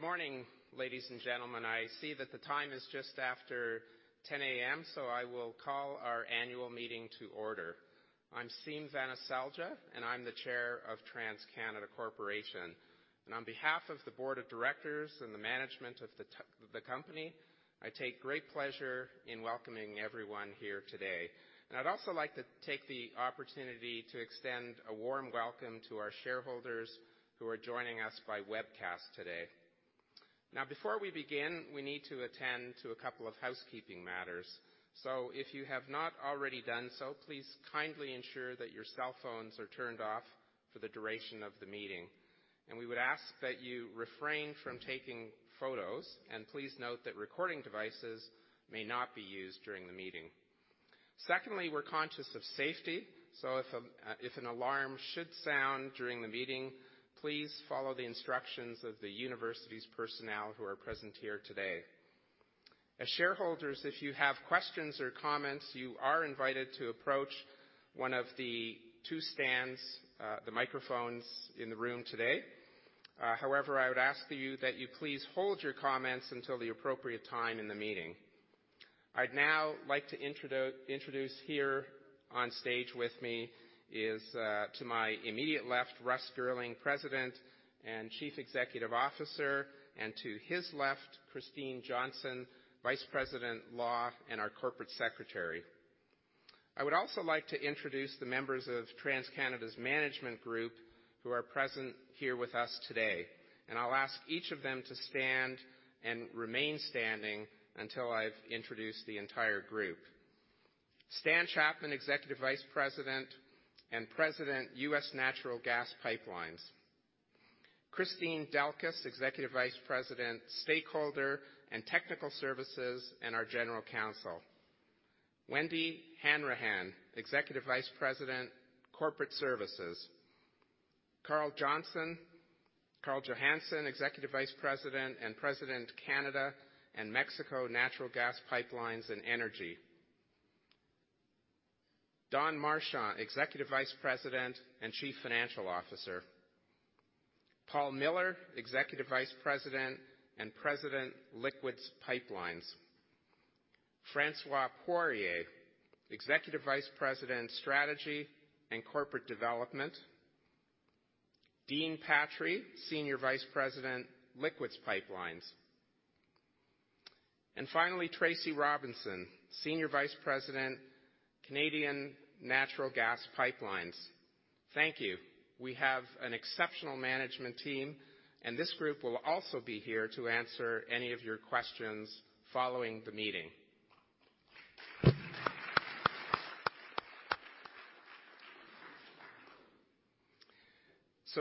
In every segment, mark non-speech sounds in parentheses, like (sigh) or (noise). Good morning, ladies and gentlemen. I see that the time is just after 10:00 A.M. I will call our annual meeting to order. I'm Siim Vanaselja, and I'm the chair of TransCanada Corporation. On behalf of the board of directors and the management of the company, I take great pleasure in welcoming everyone here today. I'd also like to take the opportunity to extend a warm welcome to our shareholders who are joining us by webcast today. Now, before we begin, we need to attend to a couple of housekeeping matters. If you have not already done so, please kindly ensure that your cell phones are turned off for the duration of the meeting. We would ask that you refrain from taking photos, and please note that recording devices may not be used during the meeting. Secondly, we're conscious of safety. If an alarm should sound during the meeting, please follow the instructions of the university's personnel who are present here today. As shareholders, if you have questions or comments, you are invited to approach one of the two stands, the microphones in the room today. However, I would ask you that you please hold your comments until the appropriate time in the meeting. I'd now like to introduce here on stage with me is, to my immediate left, Russ Girling, President and Chief Executive Officer, and to his left, Christine Johnston, Vice-President, Law and Corporate Secretary. I would also like to introduce the members of TransCanada's management group who are present here with us today. I'll ask each of them to stand and remain standing until I've introduced the entire group. Stan Chapman, Executive Vice President and President, U.S. Natural Gas Pipelines. Kristine Delkus, Executive Vice President, Stakeholder Relations and General Counsel. Wendy Hanrahan, Executive Vice-President, Corporate Services. Karl Johannson, Executive Vice-President and President, Canada and Mexico Natural Gas Pipelines and Energy. Don Marchand, Executive Vice-President and Chief Financial Officer. Paul Miller, Executive Vice-President and President, Liquids Pipelines. François Poirier, Executive Vice-President, Strategy and Corporate Development. Dean Patry, Senior Vice President, Liquids Pipelines. Finally, Tracy Robinson, Senior Vice-President, Canadian Natural Gas Pipelines. Thank you. We have an exceptional management team, and this group will also be here to answer any of your questions following the meeting.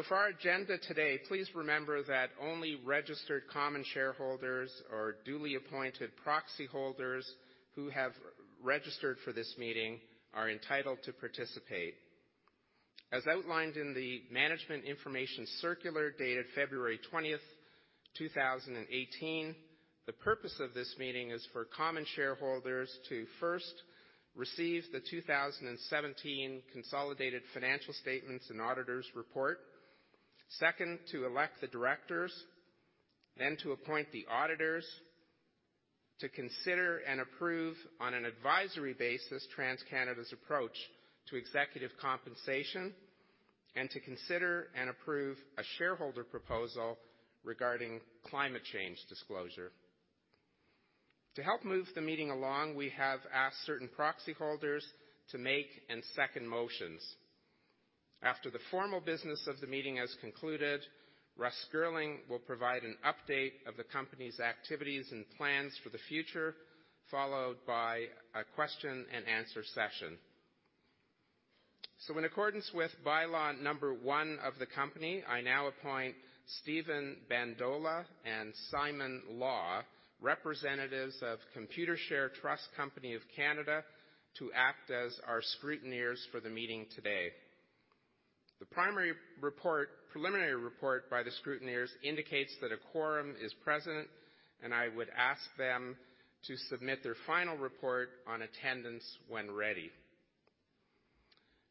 For our agenda today, please remember that only registered common shareholders or duly appointed proxy holders who have registered for this meeting are entitled to participate. As outlined in the management information circular dated February 20, 2018, the purpose of this meeting is for common shareholders to first, receive the 2017 consolidated financial statements and auditors' report, second, to elect the directors, to appoint the auditors, to consider and approve on an advisory basis TransCanada's approach to executive compensation, and to consider and approve a shareholder proposal regarding climate change disclosure. To help move the meeting along, we have asked certain proxy holders to make and second motions. After the formal business of the meeting has concluded, Russ Girling will provide an update of the company's activities and plans for the future, followed by a question and answer session. In accordance with bylaw number one of the company, I now appoint Steven Bandola and Simon Law, representatives of Computershare Trust Company of Canada, to act as our scrutineers for the meeting today. The preliminary report by the scrutineers indicates that a quorum is present. I would ask them to submit their final report on attendance when ready.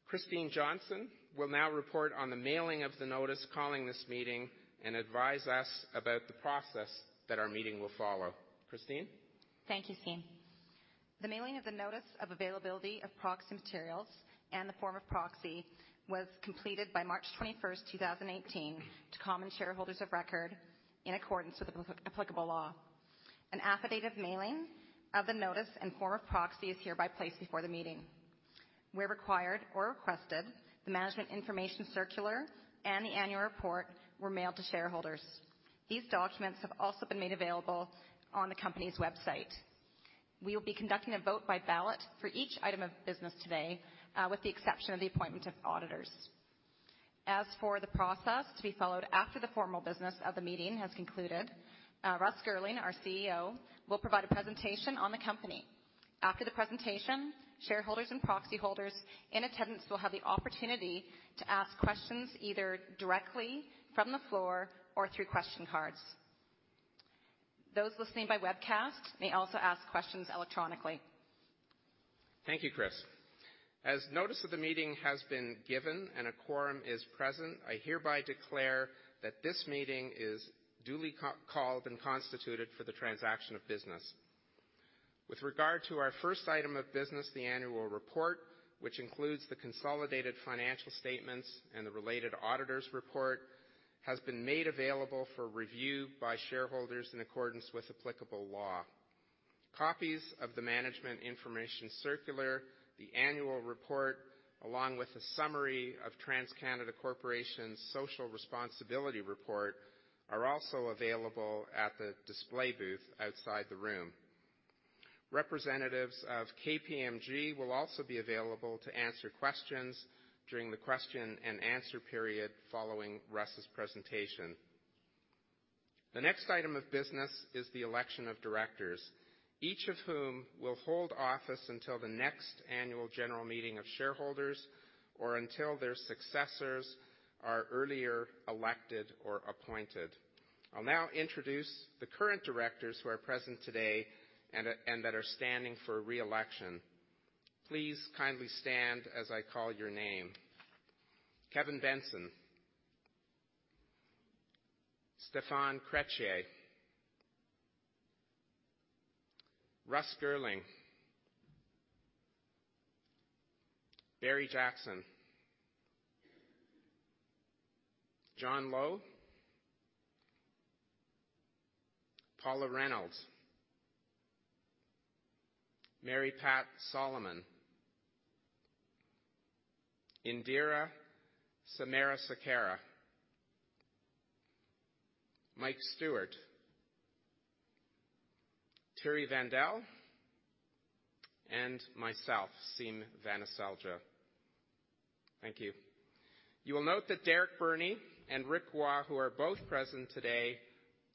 Christine Johnston will now report on the mailing of the notice calling this meeting and advise us about the process that our meeting will follow. Christine? Thank you, Siim. The mailing of the notice of availability of proxy materials and the form of proxy was completed by March 21st, 2018, to common shareholders of record in accordance with the applicable law. An affidavit of mailing of the notice and form of proxy is hereby placed before the meeting. Where required or requested, the management information circular and the annual report were mailed to shareholders. These documents have also been made available on the company's website. We will be conducting a vote by ballot for each item of business today, with the exception of the appointment of auditors. For the process to be followed after the formal business of the meeting has concluded, Russ Girling, our CEO, will provide a presentation on the company. After the presentation, shareholders and proxy holders in attendance will have the opportunity to ask questions either directly from the floor or through question cards. Those listening by webcast may also ask questions electronically. Thank you, Chris. Notice of the meeting has been given and a quorum is present. I hereby declare that this meeting is duly called and constituted for the transaction of business. With regard to our first item of business, the annual report, which includes the consolidated financial statements and the related auditor's report, has been made available for review by shareholders in accordance with applicable law. Copies of the management information circular, the annual report, along with a summary of TransCanada Corporation's social responsibility report, are also available at the display booth outside the room. Representatives of KPMG will also be available to answer questions during the question and answer period following Russ's presentation. The next item of business is the election of directors, each of whom will hold office until the next annual general meeting of shareholders or until their successors are earlier elected or appointed. I'll now introduce the current directors who are present today and that are standing for re-election. Please kindly stand as I call your name. Kevin Benson, Stéphan Crétier, Russ Girling, Barry Jackson, John Lowe, Paula Reynolds, Mary Pat Salomone, Indira Samarasekera, Mike Stewart, Thierry Vandal, and myself, Siim Vanaselja. Thank you. You will note that Derek Burney and Rick Waugh, who are both present today,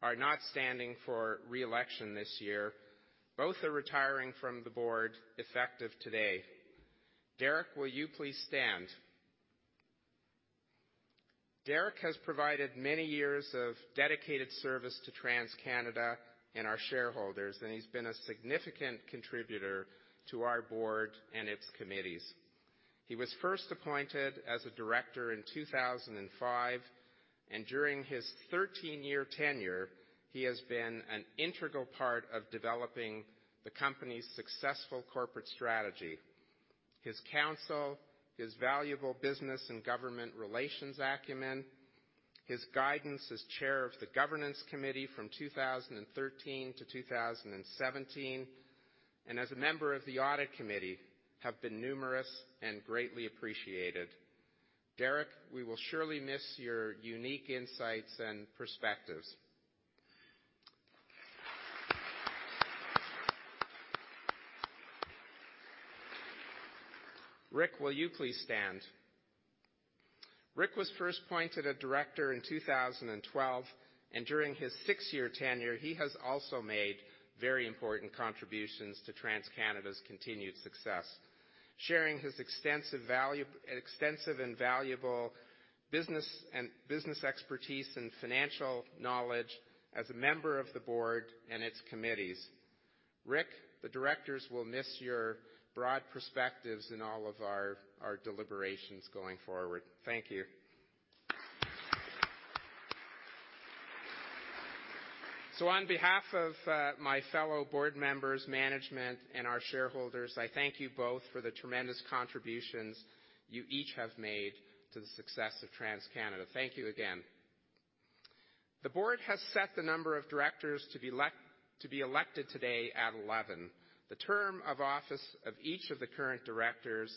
are not standing for re-election this year. Both are retiring from the board effective today. Derek, will you please stand? Derek has provided many years of dedicated service to TransCanada and our shareholders, and he's been a significant contributor to our board and its committees. He was first appointed as a director in 2005, and during his 13-year tenure, he has been an integral part of developing the company's successful corporate strategy. His counsel, his valuable business and government relations acumen, his guidance as chair of the governance committee from 2013 to 2017, and as a member of the audit committee, have been numerous and greatly appreciated. Derek, we will surely miss your unique insights and perspectives. Rick, will you please stand? Rick was first appointed a director in 2012, and during his six-year tenure, he has also made very important contributions to TransCanada's continued success, sharing his extensive and valuable business expertise and financial knowledge as a member of the board and its committees. Rick, the directors will miss your broad perspectives in all of our deliberations going forward. Thank you. On behalf of my fellow board members, management, and our shareholders, I thank you both for the tremendous contributions you each have made to the success of TransCanada. Thank you again. The board has set the number of directors to be elected today at 11. The term of office of each of the current directors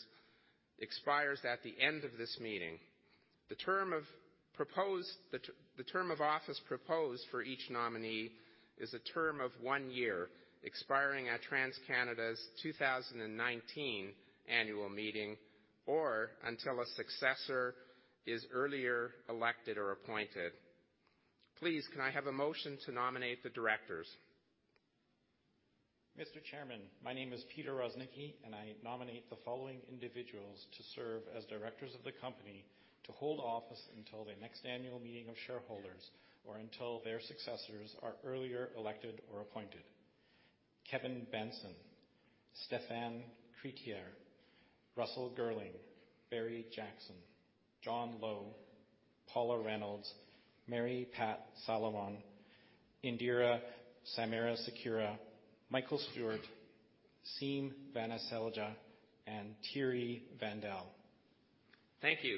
expires at the end of this meeting. The term of office proposed for each nominee is a term of one year, expiring at TransCanada's 2019 annual meeting or until a successor is earlier elected or appointed. Please, can I have a motion to nominate the directors? Mr. Chairman, my name is Peter Ruznicki, I nominate the following individuals to serve as directors of the company, to hold office until the next annual meeting of shareholders, or until their successors are earlier elected or appointed: Kevin Benson, Stéphan Crétier, Russell Girling, Barry Jackson, John Lowe, Paula Reynolds, Mary Pat Salomone, Indira Samarasekera, Michael Stewart, Siim Vanaselja, and Thierry Vandal. Thank you.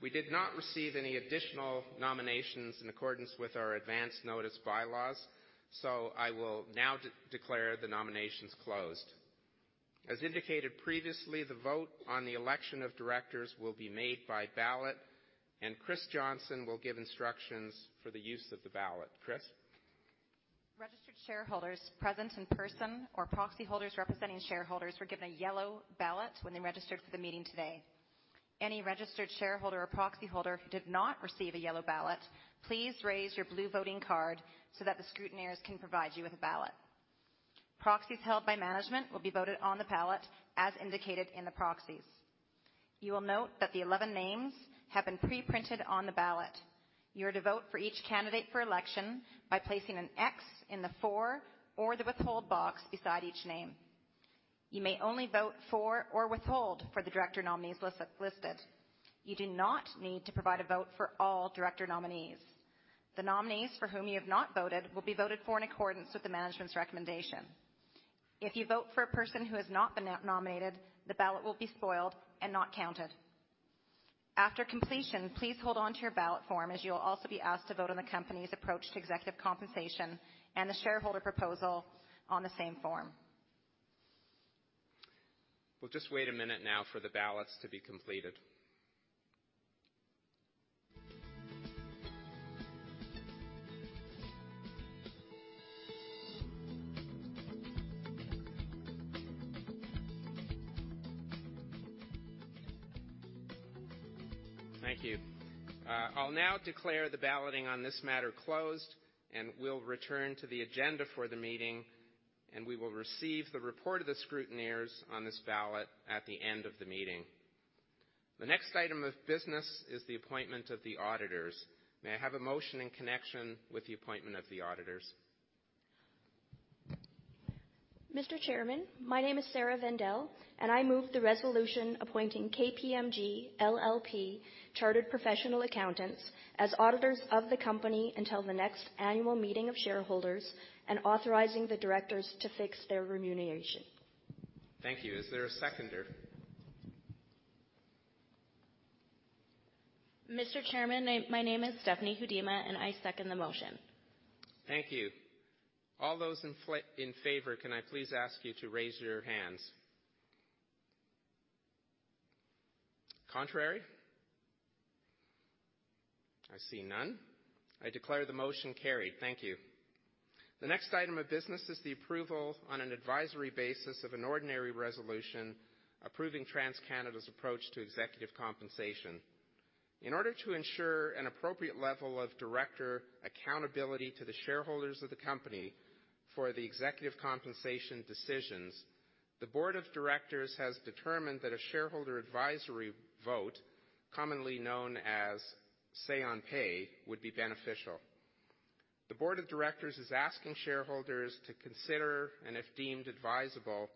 We did not receive any additional nominations in accordance with our advance notice bylaws. I will now declare the nominations closed. As indicated previously, the vote on the election of directors will be made by ballot. Chris Johnston will give instructions for the use of the ballot. Chris? Registered shareholders present in person or proxy holders representing shareholders were given a yellow ballot when they registered for the meeting today. Any registered shareholder or proxy holder who did not receive a yellow ballot, please raise your blue voting card so that the scrutineers can provide you with a ballot. Proxies held by management will be voted on the ballot as indicated in the proxies. You will note that the 11 names have been pre-printed on the ballot. You are to vote for each candidate for election by placing an X in the "for" or the "withhold" box beside each name. You may only vote for or withhold for the director nominees listed. You do not need to provide a vote for all director nominees. The nominees for whom you have not voted will be voted for in accordance with the management's recommendation. If you vote for a person who has not been nominated, the ballot will be spoiled and not counted. After completion, please hold on to your ballot form as you'll also be asked to vote on the company's approach to executive compensation and the shareholder proposal on the same form. We'll just wait a minute now for the ballots to be completed. Thank you. I'll now declare the balloting on this matter closed. We'll return to the agenda for the meeting. We will receive the report of the scrutineers on this ballot at the end of the meeting. The next item of business is the appointment of the auditors. May I have a motion in connection with the appointment of the auditors? Mr. Chairman, my name is Sarah Vendel. I move the resolution appointing KPMG LLP Chartered Professional Accountants as auditors of the company until the next annual meeting of shareholders and authorizing the directors to fix their remuneration. Thank you. Is there a seconder? Mr. Chairman, my name is Stephanie Hudima. I second the motion. Thank you. All those in favor, can I please ask you to raise your hands? Contrary? I see none. I declare the motion carried. Thank you. The next item of business is the approval on an advisory basis of an ordinary resolution approving TransCanada's approach to executive compensation. In order to ensure an appropriate level of director accountability to the shareholders of the company for the executive compensation decisions, the board of directors has determined that a shareholder advisory vote, commonly known as say on pay, would be beneficial. The board of directors is asking shareholders to consider, and if deemed advisable,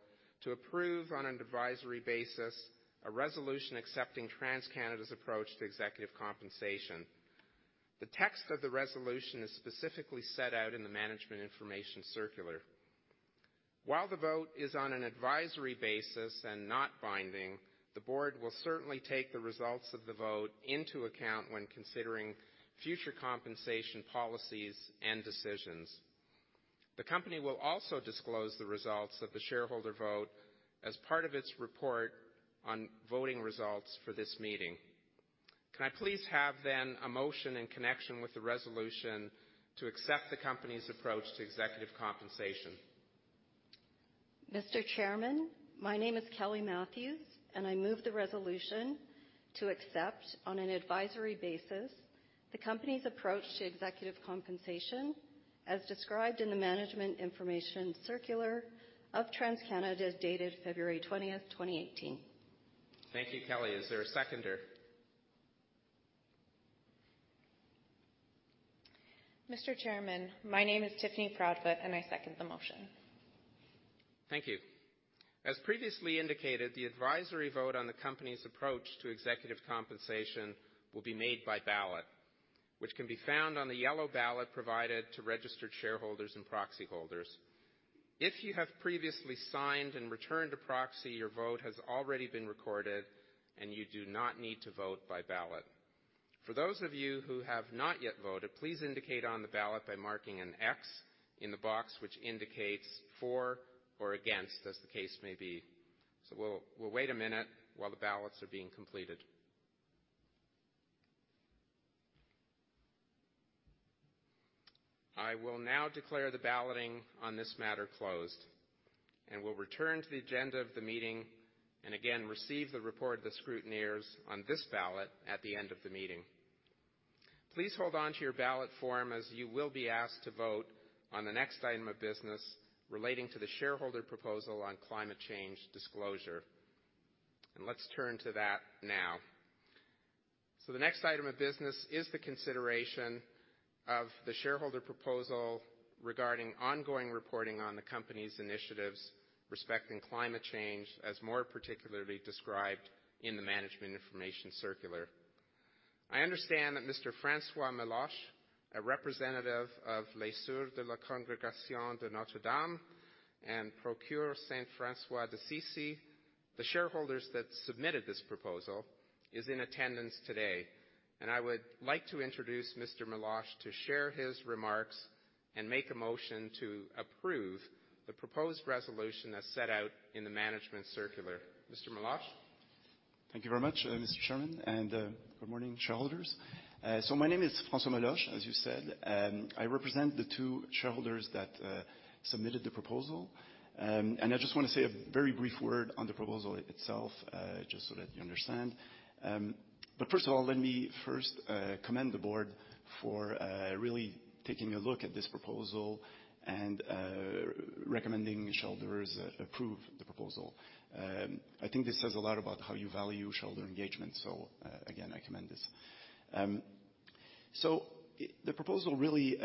to approve on an advisory basis a resolution accepting TransCanada's approach to executive compensation. The text of the resolution is specifically set out in the management information circular. While the vote is on an advisory basis and not binding, the board will certainly take the results of the vote into account when considering future compensation policies and decisions. The company will also disclose the results of the shareholder vote as part of its report on voting results for this meeting. Can I please have a motion in connection with the resolution to accept the company's approach to executive compensation? Mr. Chairman, my name is Kelly Matthews. I move the resolution to accept on an advisory basis the company's approach to executive compensation as described in the management information circular of TransCanada dated February 20th, 2018. Thank you, Kelly. Is there a seconder? Mr. Chairman, my name is Tiffany Proudfoot. I second the motion. Thank you. As previously indicated, the advisory vote on the company's approach to executive compensation will be made by ballot, which can be found on the yellow ballot provided to registered shareholders and proxy holders. If you have previously signed and returned a proxy, your vote has already been recorded, and you do not need to vote by ballot. For those of you who have not yet voted, please indicate on the ballot by marking an X in the box, which indicates for or against as the case may be. We'll wait a minute while the ballots are being completed. I will now declare the balloting on this matter closed, and we'll return to the agenda of the meeting, and again, receive the report of the scrutineers on this ballot at the end of the meeting. Please hold on to your ballot form as you will be asked to vote on the next item of business relating to the shareholder proposal on climate change disclosure. Let's turn to that now. The next item of business is the consideration of the shareholder proposal regarding ongoing reporting on the company's initiatives respecting climate change as more particularly described in the management information circular. I understand that Mr. François Meloche, a representative of Les Sœurs de la Congrégation de Notre-Dame and Procure Saint-François-d'Assise, the shareholders that submitted this proposal, is in attendance today. I would like to introduce Mr. Meloche to share his remarks and make a motion to approve the proposed resolution as set out in the management circular. Mr. Meloche? Thank you very much, Mr. Chairman, and good morning, shareholders. My name is François Meloche, as you said. I represent the two shareholders that submitted the proposal. I just want to say a very brief word on the proposal itself just so that you understand. First of all, let me first commend the board for really taking a look at this proposal and recommending shareholders approve the proposal. I think this says a lot about how you value shareholder engagement. Again, I commend this. The proposal really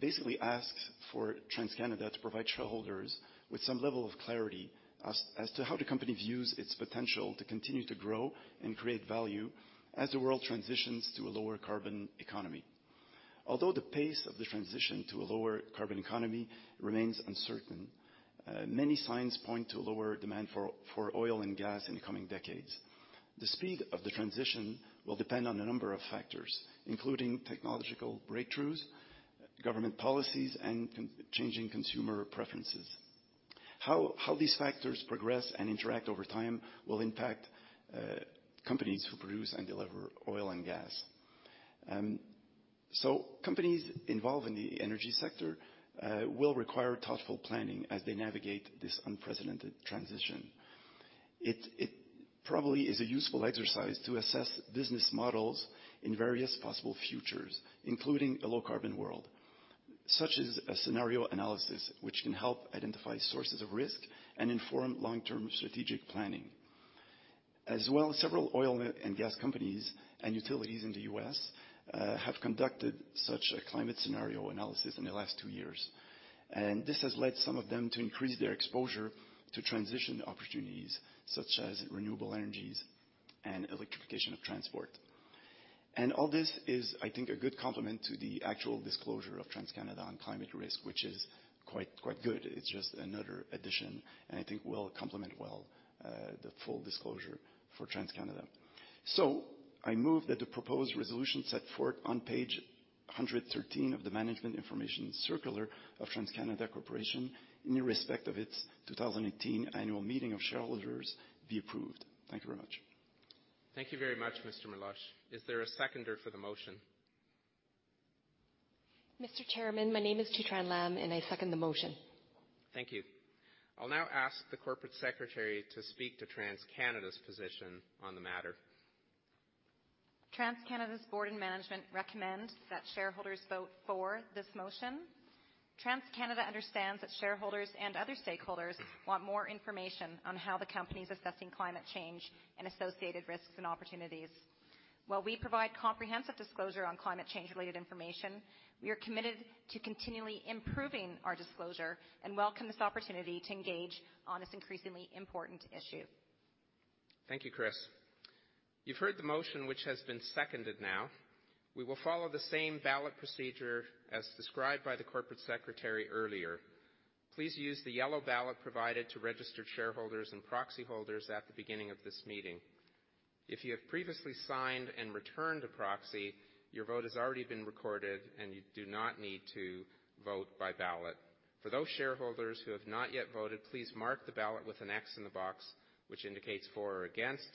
basically asks for TransCanada to provide shareholders with some level of clarity as to how the company views its potential to continue to grow and create value as the world transitions to a lower carbon economy. Although the pace of the transition to a lower carbon economy remains uncertain, many signs point to lower demand for oil and gas in the coming decades. The speed of the transition will depend on a number of factors, including technological breakthroughs, government policies, and changing consumer preferences. How these factors progress and interact over time will impact companies who produce and deliver oil and gas. Companies involved in the energy sector will require thoughtful planning as they navigate this unprecedented transition. It probably is a useful exercise to assess business models in various possible futures, including a low carbon world, such as a scenario analysis which can help identify sources of risk and inform long-term strategic planning. As well, several oil and gas companies and utilities in the U.S. have conducted such a climate scenario analysis in the last two years. This has led some of them to increase their exposure to transition opportunities such as renewable energies and electrification of transport. All this is, I think, a good complement to the actual disclosure of TransCanada on climate risk, which is quite good. It is just another addition, and I think will complement well the full disclosure for TransCanada. I move that the proposed resolution set forth on page 113 of the management information circular of TransCanada Corporation in respect of its 2018 annual meeting of shareholders be approved. Thank you very much. Thank you very much, Mr. Meloche. Is there a seconder for the motion? Mr. Chairman, my name is Chu Tran Lam, and I second the motion. Thank you. I'll now ask the corporate secretary to speak to TransCanada's position on the matter. TransCanada's board and management recommend that shareholders vote for this motion. TransCanada understands that shareholders and other stakeholders want more information on how the company's assessing climate change and associated risks and opportunities. While we provide comprehensive disclosure on climate change-related information, we are committed to continually improving our disclosure and welcome this opportunity to engage on this increasingly important issue. Thank you, Chris. You've heard the motion, which has been seconded now. We will follow the same ballot procedure as described by the Corporate Secretary earlier. Please use the yellow ballot provided to registered shareholders and proxy holders at the beginning of this meeting. If you have previously signed and returned a proxy, your vote has already been recorded, and you do not need to vote by ballot. For those shareholders who have not yet voted, please mark the ballot with an X in the box which indicates for or against.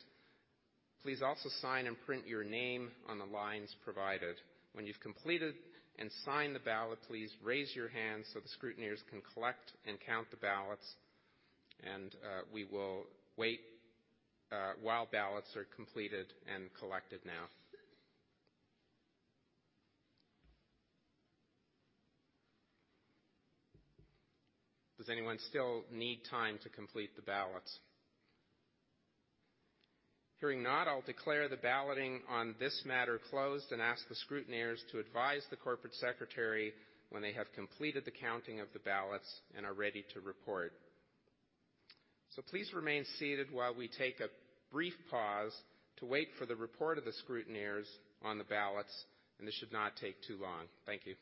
Please also sign and print your name on the lines provided. When you've completed and signed the ballot, please raise your hand so the scrutineers can collect and count the ballots, and we will wait while ballots are completed and collected now. Does anyone still need time to complete the ballots? Hearing not, I'll declare the balloting on this matter closed and ask the scrutineers to advise the Corporate Secretary when they have completed the counting of the ballots and are ready to report. Please remain seated while we take a brief pause to wait for the report of the scrutineers on the ballots, and this should not take too long. Thank you.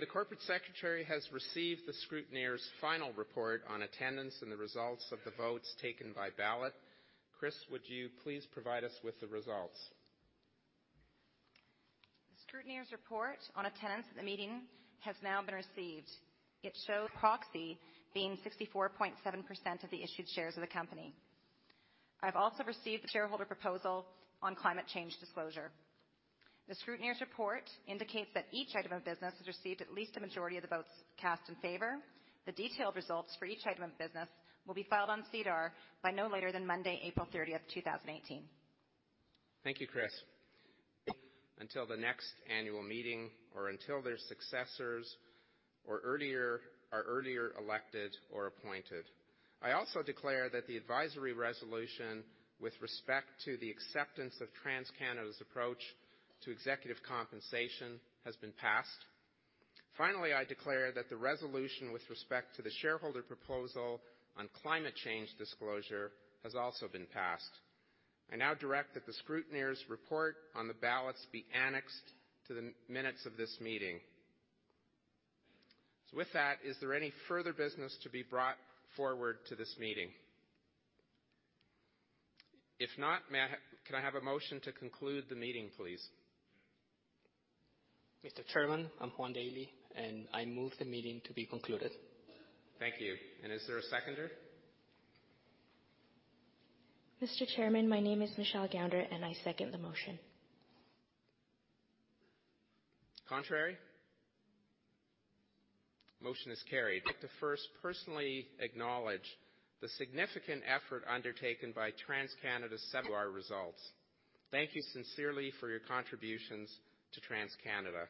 The Corporate Secretary has received the scrutineers' final report on attendance and the results of the votes taken by ballot. Chris, would you please provide us with the results? The scrutineers' report on attendance at the meeting has now been received. It shows proxy being 64.7% of the issued shares of the company. I've also received the shareholder proposal on climate change disclosure. The scrutineers' report indicates that each item of business has received at least a majority of the votes cast in favor. The detailed results for each item of business will be filed on SEDAR by no later than Monday, April 30th, 2018. Thank you, Chris. Until the next annual meeting or until their successors are earlier elected or appointed. I also declare that the advisory resolution with respect to the acceptance of TransCanada's approach to executive compensation has been passed. Finally, I declare that the resolution with respect to the shareholder proposal on climate change disclosure has also been passed. I now direct that the scrutineer's report on the ballots be annexed to the minutes of this meeting. With that, is there any further business to be brought forward to this meeting? If not, can I have a motion to conclude the meeting, please? Mr. Chairman, I'm Juan Daley, I move the meeting to be concluded. Thank you. Is there a seconder? Mr. Chairman, my name is Michelle Gounder, I second the motion. Contrary? Motion is carried. I'd like to first personally acknowledge the significant effort undertaken by TransCanada's. (inaudible) Our results. Thank you sincerely for your contributions to TransCanada.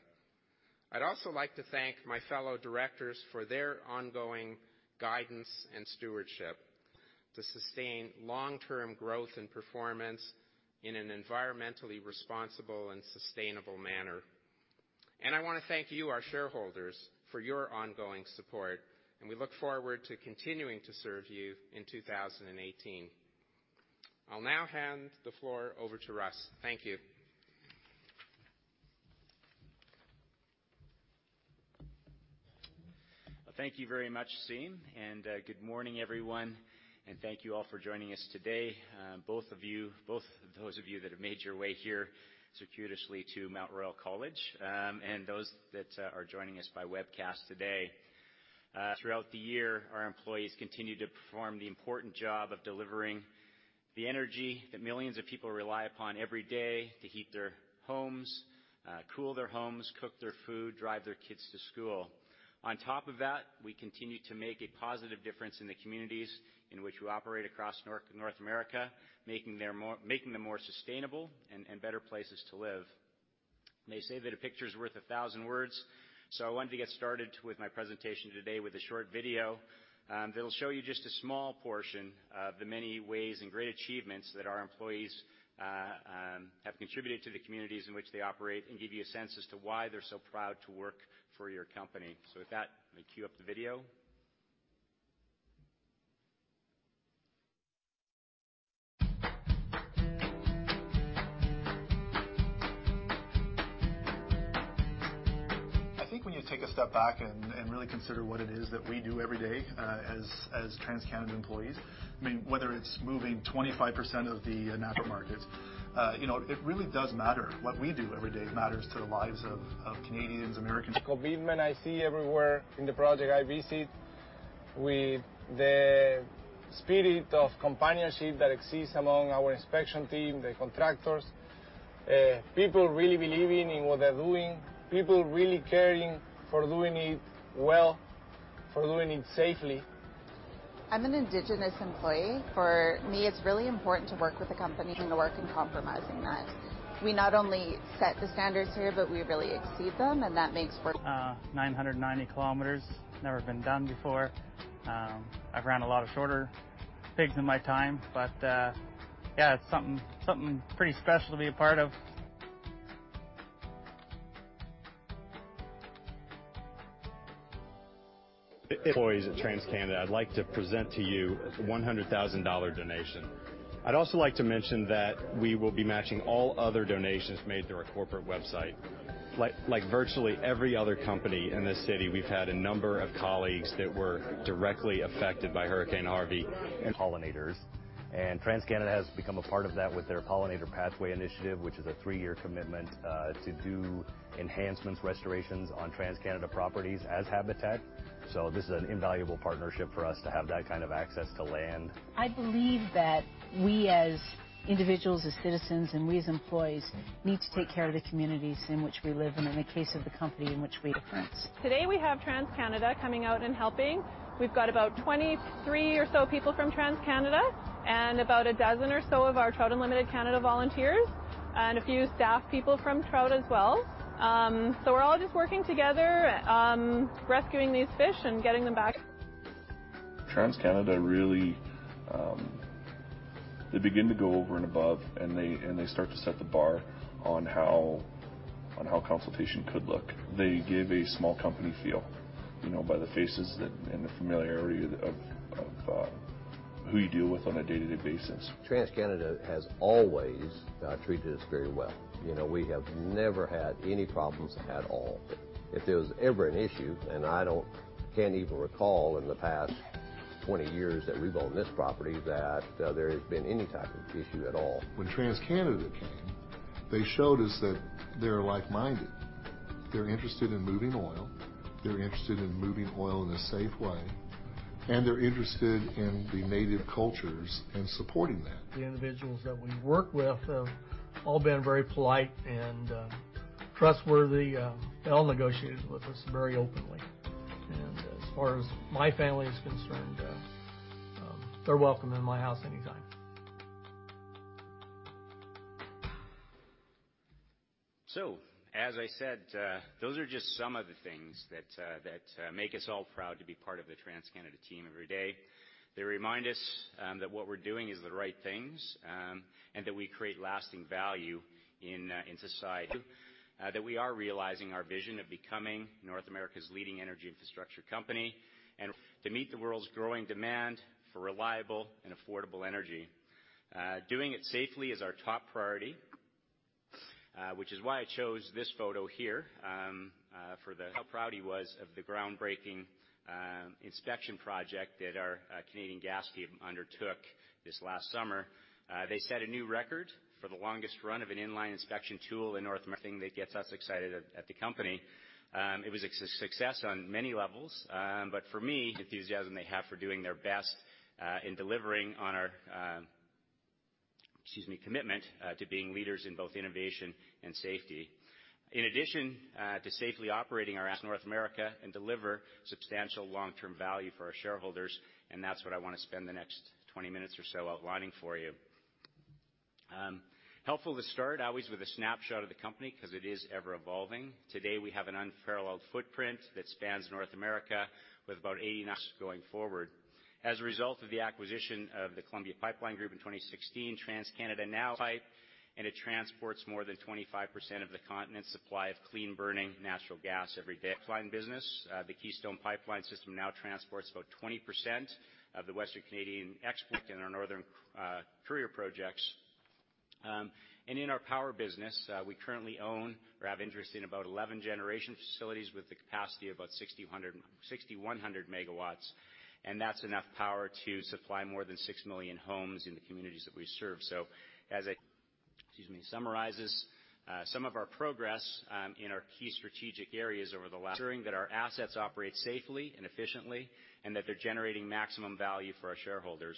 I'd also like to thank my fellow directors for their ongoing guidance and stewardship to sustain long-term growth and performance in an environmentally responsible and sustainable manner. I want to thank you, our shareholders, for your ongoing support, and we look forward to continuing to serve you in 2018. I'll now hand the floor over to Russ. Thank you. Thank you very much, Siim, good morning, everyone, thank you all for joining us today, both those of you that have made your way here circuitously to Mount Royal College, and those that are joining us by webcast today. Throughout the year, our employees continue to perform the important job of delivering the energy that millions of people rely upon every day to heat their homes, cool their homes, cook their food, drive their kids to school. On top of that, we continue to make a positive difference in the communities in which we operate across North America, making them more sustainable and better places to live. They say that a picture is worth 1,000 words, I wanted to get started with my presentation today with a short video that'll show you just a small portion of the many ways and great achievements that our employees have contributed to the communities in which they operate and give you a sense as to why they're so proud to work for your company. With that, let me queue up the video. I think when you take a step back and really consider what it is that we do every day as TransCanada employees, whether it's moving 25% of the natural markets, it really does matter. What we do every day matters to the lives of Canadians, Americans. Commitment I see everywhere in the project I visit, with the spirit of companionship that exists among our inspection team, the contractors. People really believing in what they're doing. People really caring for doing it well, for doing it safely. I'm an indigenous employee. For me, it's really important to work with a company. We not only set the standards here, but we really exceed them, and that makes for. 990 km, never been done before. I've ran a lot of shorter pigs in my time, but yeah, it's something pretty special to be a part of. Employees at TransCanada, I'd like to present to you a 100,000 dollar donation. I'd also like to mention that we will be matching all other donations made through our corporate website. Like virtually every other company in this city, we've had a number of colleagues that were directly affected by Hurricane Harvey. Pollinators. TransCanada has become a part of that with their Pollinator Pathway Initiative, which is a three-year commitment to do enhancements, restorations on TransCanada properties as habitat. This is an invaluable partnership for us to have that kind of access to land. I believe that we as individuals, as citizens, and we as employees need to take care of the communities in which we live, and in the case of the company, in which we. Difference. Today, we have TransCanada coming out and helping. We've got about 23 or so people from TransCanada and about a dozen or so of our Trout Unlimited Canada volunteers and a few staff people from Trout as well. We're all just working together, rescuing these fish and getting them back. TransCanada really, they begin to go over and above, and they start to set the bar on how consultation could look. They give a small company feel, by the faces and the familiarity of who you deal with on a day-to-day basis. TransCanada has always treated us very well. We have never had any problems at all. If there was ever an issue, and I can't even recall in the past 20 years that we've owned this property, that there has been any type of issue at all. When TransCanada came, they showed us that they're like-minded. They're interested in moving oil, they're interested in moving oil in a safe way, and they're interested in the native cultures and supporting that. The individuals that we work with have all been very polite and trustworthy, and all negotiated with us very openly. As far as my family is concerned, they're welcome in my house anytime. As I said, those are just some of the things that make us all proud to be part of the TransCanada team every day. They remind us that what we're doing is the right things, and that we create lasting value in society, that we are realizing our vision of becoming North America's leading energy infrastructure company, and to meet the world's growing demand for reliable and affordable energy. Doing it safely is our top priority, which is why I chose this photo here for how proud he was of the groundbreaking inspection project that our Canadian Gas team undertook this last summer. They set a new record for the longest run of an in-line inspection tool in North America. That gets us excited at the company. It was a success on many levels. For me, the enthusiasm they have for doing their best in delivering on our, excuse me, commitment to being leaders in both innovation and safety. In addition to safely operating our North America and deliver substantial long-term value for our shareholders, that's what I want to spend the next 20 minutes or so outlining for you. Helpful to start, always, with a snapshot of the company because it is ever-evolving. Today, we have an unparalleled footprint that spans North America with about 89 Going forward. As a result of the acquisition of the Columbia Pipeline Group in 2016, TransCanada now Pipe, it transports more than 25% of the continent's supply of clean-burning natural gas every day. Pipeline business. The Keystone Pipeline system now transports about 20% of the Western Canadian export In our Northern Courier projects. In our power business, we currently own or have interest in about 11 generation facilities with the capacity of about 6,100 megawatts, that's enough power to supply more than 6 million homes in the communities that we serve. As I Excuse me. Summarizes some of our progress in our key strategic areas over the last Ensuring that our assets operate safely and efficiently, that they're generating maximum value for our shareholders.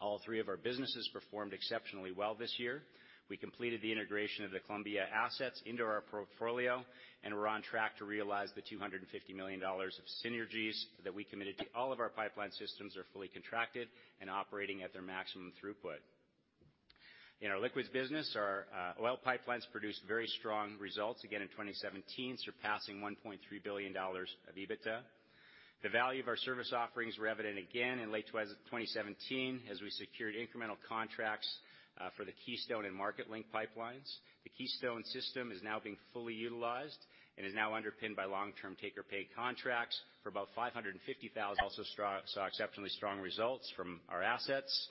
All three of our businesses performed exceptionally well this year. We completed the integration of the Columbia assets into our portfolio, we're on track to realize the 250 million dollars of synergies that we committed to. All of our pipeline systems are fully contracted and operating at their maximum throughput. In our liquids business, our oil pipelines produced very strong results again in 2017, surpassing CAD 1.3 billion of EBITDA. The value of our service offerings were evident again in late 2017 as we secured incremental contracts for the Keystone and Marketlink pipelines. The Keystone system is now being fully utilized and is now underpinned by long-term take-or-pay contracts for about 550,000 Also saw exceptionally strong results from our assets.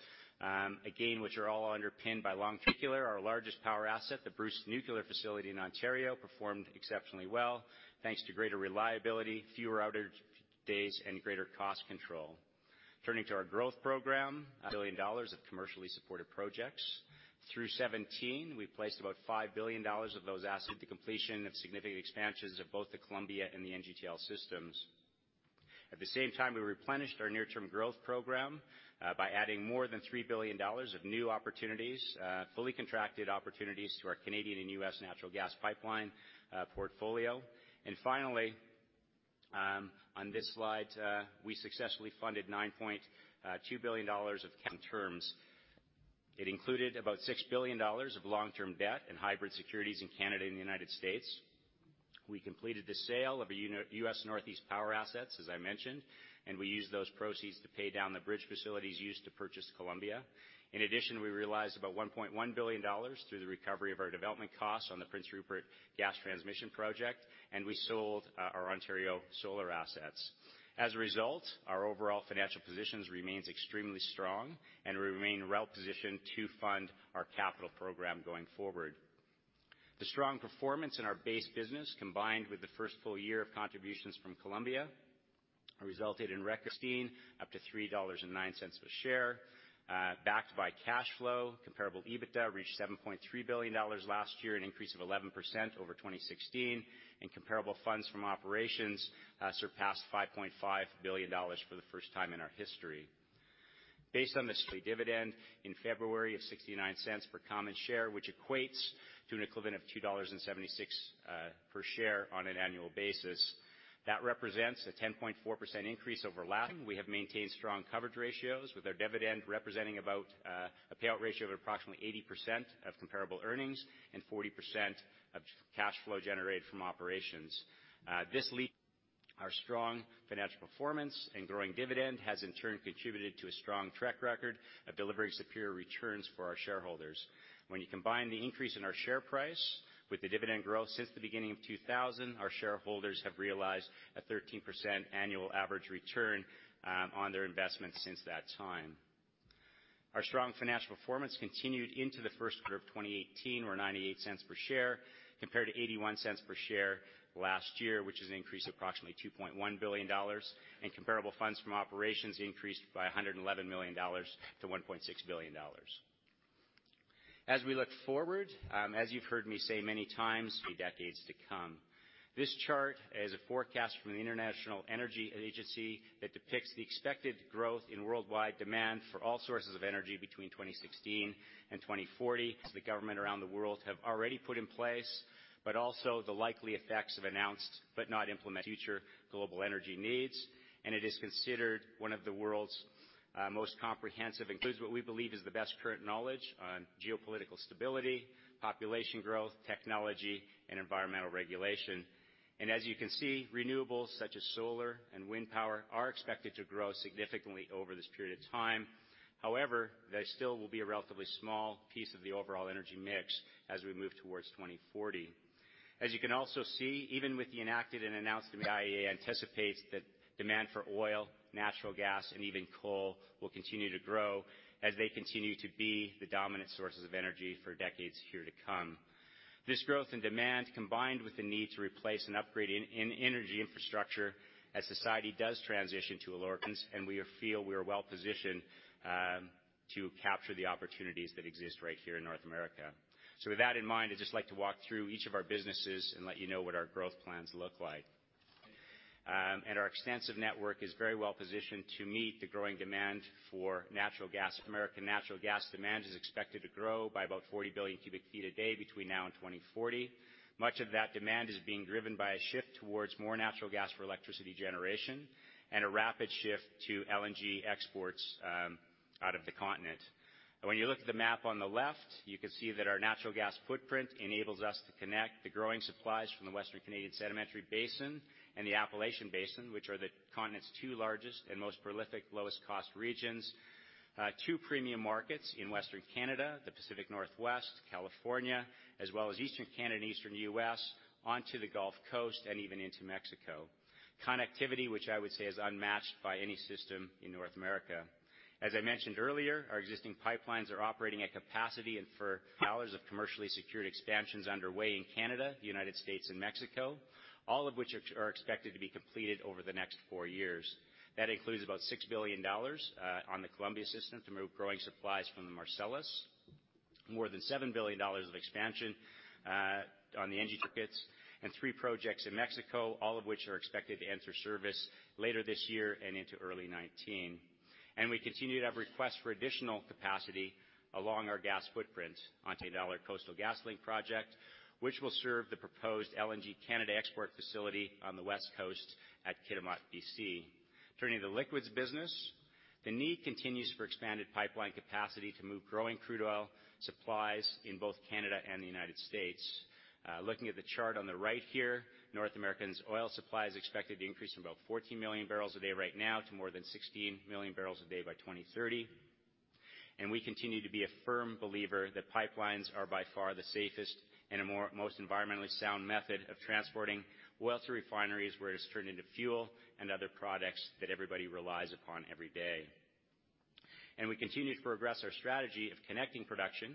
Again, which are all underpinned by long Particular, our largest power asset, the Bruce Nuclear facility in Ontario, performed exceptionally well thanks to greater reliability, fewer outage days, and greater cost control. Turning to our growth program. 1 billion dollars of commercially supported projects. Through 2017, we placed about 5 billion dollars of those assets The completion of significant expansions of both the Columbia and the NGTL systems. At the same time, we replenished our near-term growth program by adding more than 3 billion dollars of new opportunities, fully contracted opportunities to our Canadian and U.S. natural gas pipeline portfolio. Finally, on this slide, we successfully funded 9.2 billion dollars of Terms. It included about 6 billion dollars of long-term debt and hybrid securities in Canada and the United States. We completed the sale of our U.S. Northeast power assets, as I mentioned, we used those proceeds to pay down the bridge facilities used to purchase Columbia. In addition, we realized about 1.1 billion dollars through the recovery of our development costs on the Prince Rupert Gas Transmission project, we sold our Ontario solar assets. Our overall financial positions remains extremely strong, we remain well-positioned to fund our capital program going forward. The strong performance in our base business, combined with the first full year of contributions from Columbia, resulted in 2016, up to 3.09 dollars per share, backed by cash flow. Comparable EBITDA reached 7.3 billion dollars last year, an increase of 11% over 2016. Comparable funds from operations surpassed 5.5 billion dollars for the first time in our history. Based on this quarterly dividend in February of 0.69 per common share, which equates to an equivalent of 2.76 dollars per share on an annual basis. That represents a 10.4% increase over last. We have maintained strong coverage ratios, with our dividend representing about a payout ratio of approximately 80% of comparable earnings and 40% of cash flow generated from operations. Our strong financial performance and growing dividend has in turn contributed to a strong track record of delivering superior returns for our shareholders. When you combine the increase in our share price with the dividend growth since the beginning of 2000, our shareholders have realized a 13% annual average return on their investment since that time. Our strong financial performance continued into the first quarter of 2018, where 0.98 per share compared to 0.81 per share last year, which is an increase of approximately 2.1 billion dollars. Comparable funds from operations increased by 111 million dollars to 1.6 billion dollars. As we look forward, as you've heard me say many times. For decades to come. This chart is a forecast from the International Energy Agency that depicts the expected growth in worldwide demand for all sources of energy between 2016 and 2040. The government around the world have already put in place, but also the likely effects of announced but not implemented future global energy needs, and it is considered one of the world's most comprehensive. Includes what we believe is the best current knowledge on geopolitical stability, population growth, technology, and environmental regulation. As you can see, renewables such as solar and wind power are expected to grow significantly over this period of time. However, they still will be a relatively small piece of the overall energy mix as we move towards 2040. As you can also see, even with the enacted and announced, the IEA anticipates that demand for oil, natural gas, and even coal will continue to grow as they continue to be the dominant sources of energy for decades here to come. This growth in demand, combined with the need to replace and upgrade energy infrastructure as society does transition to a lower. We feel we are well-positioned to capture the opportunities that exist right here in North America. With that in mind, I'd just like to walk through each of our businesses and let you know what our growth plans look like. Our extensive network is very well-positioned to meet the growing demand for natural gas. American natural gas demand is expected to grow by about 40 billion cubic feet a day between now and 2040. Much of that demand is being driven by a shift towards more natural gas for electricity generation and a rapid shift to LNG exports out of the continent. When you look at the map on the left, you can see that our natural gas footprint enables us to connect the growing supplies from the Western Canadian Sedimentary Basin and the Appalachian Basin, which are the continent's two largest and most prolific lowest-cost regions to premium markets in Western Canada, the Pacific Northwest, California, as well as Eastern Canada and Eastern U.S. onto the Gulf Coast, and even into Mexico. Connectivity, which I would say is unmatched by any system in North America. As I mentioned earlier, our existing pipelines are operating at capacity and four commercially secured expansions underway in Canada, the U.S., and Mexico, all of which are expected to be completed over the next four years. That includes about 6 billion dollars on the Columbia system to move growing supplies from the Marcellus, more than 7 billion dollars of expansion on the energy markets, and three projects in Mexico, all of which are expected to enter service later this year and into early 2019. We continue to have requests for additional capacity along our gas footprint Coastal GasLink project, which will serve the proposed LNG Canada export facility on the West Coast at Kitimat, B.C. Turning to the liquids business, the need continues for expanded pipeline capacity to move growing crude oil supplies in both Canada and the U.S. Looking at the chart on the right here, North America's oil supply is expected to increase from about 14 million barrels a day right now to more than 16 million barrels a day by 2030. We continue to be a firm believer that pipelines are by far the safest and most environmentally sound method of transporting oil to refineries, where it is turned into fuel and other products that everybody relies upon every day. We continue to progress our strategy of connecting production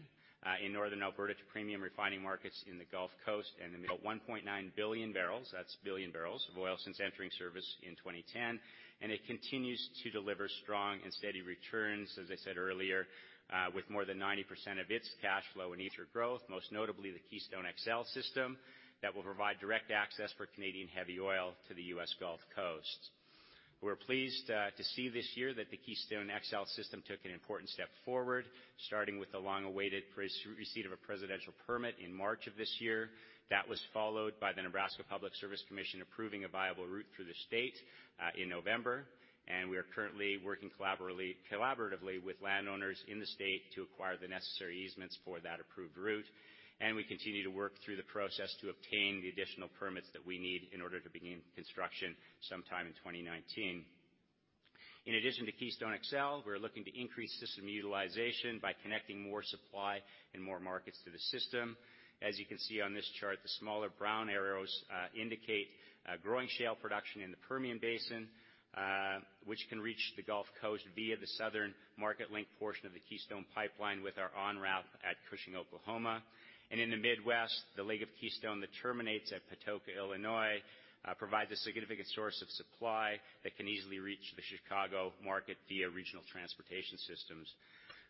in Northern Alberta to premium refining markets in the Gulf Coast and the middle 1.9 billion barrels, that's billion barrels of oil since entering service in 2010, and it continues to deliver strong and steady returns, as I said earlier, with more than 90% of its cash flow and EBITDA growth, most notably the Keystone XL system that will provide direct access for Canadian heavy oil to the U.S. Gulf Coast. We're pleased to see this year that the Keystone XL system took an important step forward, starting with the long-awaited receipt of a presidential permit in March of this year. That was followed by the Nebraska Public Service Commission approving a viable route through the state in November. We are currently working collaboratively with landowners in the state to acquire the necessary easements for that approved route. We continue to work through the process to obtain the additional permits that we need in order to begin construction sometime in 2019. In addition to Keystone XL, we're looking to increase system utilization by connecting more supply and more markets to the system. As you can see on this chart, the smaller brown arrows indicate growing shale production in the Permian Basin, which can reach the Gulf Coast via the southern Marketlink portion of the Keystone Pipeline with our on-route at Cushing, Oklahoma. In the Midwest, the leg of Keystone that terminates at Patoka, Illinois, provides a significant source of supply that can easily reach the Chicago market via regional transportation systems.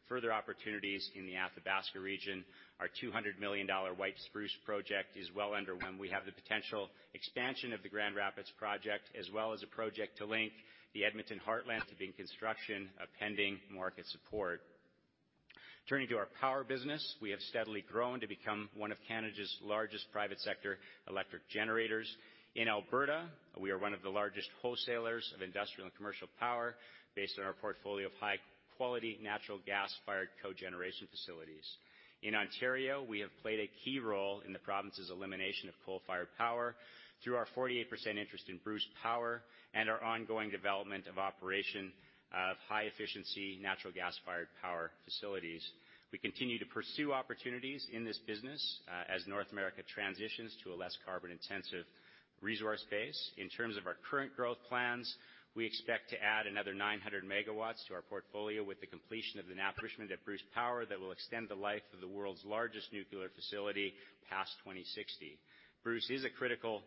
Further opportunities in the Athabasca region are 200 million dollar White Spruce project is well under. We have the potential expansion of the Grand Rapids project, as well as a project to link Alberta's Industrial Heartland to begin construction of pending market support. Turning to our power business, we have steadily grown to become one of Canada's largest private sector electric generators. In Alberta, we are one of the largest wholesalers of industrial and commercial power based on our portfolio of high-quality natural gas-fired cogeneration facilities. In Ontario, we have played a key role in the province's elimination of coal-fired power through our 48% interest in Bruce Power and our ongoing development of operation of high-efficiency natural gas-fired power facilities. We continue to pursue opportunities in this business as North America transitions to a less carbon-intensive resource base. In terms of our current growth plans, we expect to add another 900 megawatts to our portfolio with the completion of the refurbishment at Bruce Power that will extend the life of the world's largest nuclear facility past 2060. Bruce is a critical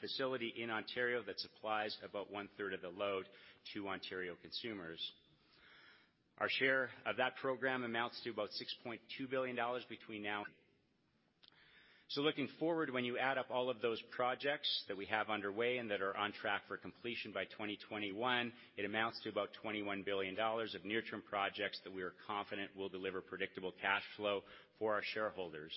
facility in Ontario that supplies about one-third of the load to Ontario consumers. Our share of that program amounts to about 6.2 billion dollars between now and. Looking forward, when you add up all of those projects that we have underway and that are on track for completion by 2021, it amounts to about 21 billion dollars of near-term projects that we are confident will deliver predictable cash flow for our shareholders.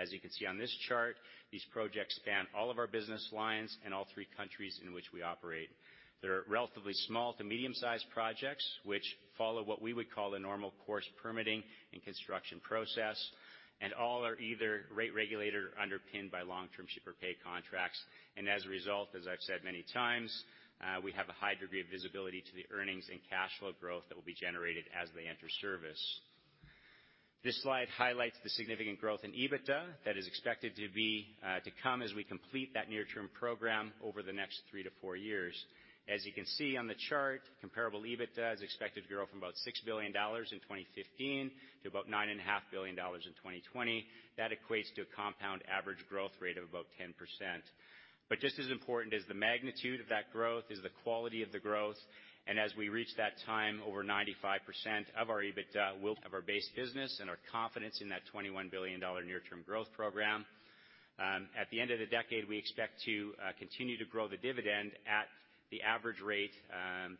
As you can see on this chart, these projects span all of our business lines and all three countries in which we operate. They are relatively small to medium-sized projects, which follow what we would call a normal course permitting and construction process, and all are either rate-regulated underpinned by long-term ship-or-pay contracts. As a result, as I've said many times, we have a high degree of visibility to the earnings and cash flow growth that will be generated as they enter service. This slide highlights the significant growth in EBITDA that is expected to come as we complete that near-term program over the next three to four years. As you can see on the chart, comparable EBITDA is expected to grow from about 6 billion dollars in 2015 to about 9.5 billion dollars in 2020. That equates to a compound average growth rate of about 10%. Just as important as the magnitude of that growth is the quality of the growth, and as we reach that time, over 95% of our EBITDA will of our base business and our confidence in that 21 billion dollar near-term growth program. At the end of the decade, we expect to continue to grow the dividend at the average rate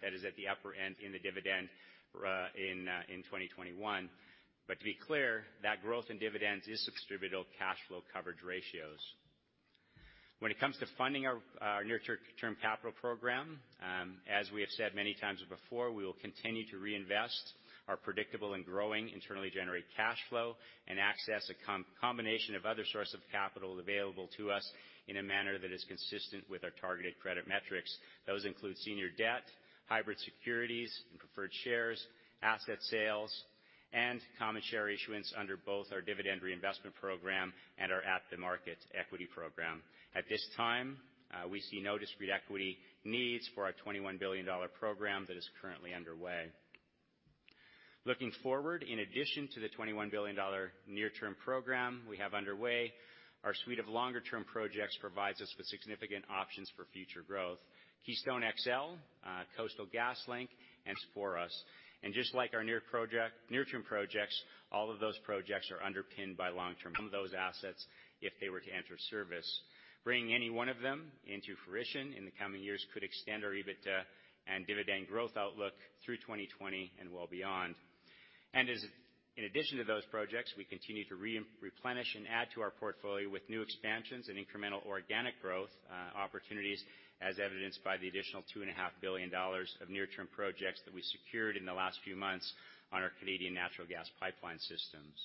that is at the upper end in the dividend in 2021. To be clear, that growth in dividends is distributable cash flow coverage ratios. When it comes to funding our near-term capital program, as we have said many times before, we will continue to reinvest our predictable and growing internally generated cash flow and access a combination of other source of capital available to us in a manner that is consistent with our targeted credit metrics. Those include senior debt, hybrid securities and preferred shares, asset sales, and common share issuance under both our dividend reinvestment program and our at-the-market equity program. At this time, we see no discrete equity needs for our 21 billion dollar program that is currently underway. Looking forward, in addition to the 21 billion dollar near-term program we have underway, our suite of longer-term projects provides us with significant options for future growth. Keystone XL, Coastal GasLink, and for us. Just like our near-term projects, all of those projects are underpinned by long-term. Some of those assets, if they were to enter service. Bringing any one of them into fruition in the coming years could extend our EBITDA and dividend growth outlook through 2020 and well beyond. In addition to those projects, we continue to replenish and add to our portfolio with new expansions and incremental organic growth opportunities, as evidenced by the additional 2.5 billion dollars of near-term projects that we secured in the last few months on our Canadian natural gas pipeline systems.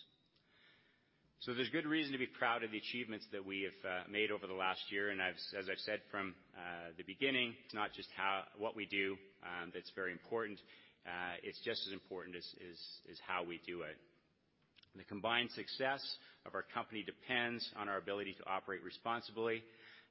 There's good reason to be proud of the achievements that we have made over the last year. As I've said from the beginning, it's not just what we do that's very important, it's just as important is how we do it. The combined success of our company depends on our ability to operate responsibly,